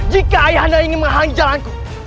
jika ayah anda ingin menghang jalanku